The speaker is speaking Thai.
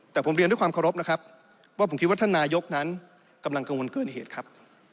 แต่ผมเรียนด้วยความเคารพนะครับว่าผมคิดว่าท่านนายกนั้นกำลังกังวลเกินเหตุครับ